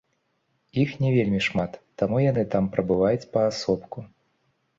Іх не вельмі шмат, таму яны там прабываюць паасобку.